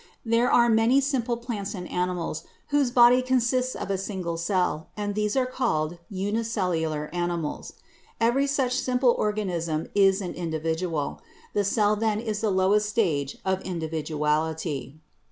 There are many simple plants and animals whose body consists of a single cell and these are called unicellular animals. Every such simple organism is an individual. The cell then is the lowest stage of individuality.